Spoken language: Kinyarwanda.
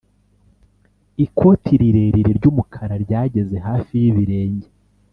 ikoti rirerire ry'umukara ryageze hafi y'ibirenge.